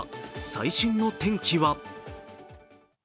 最新の天気は？